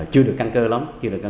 chưa được căn cơ lắm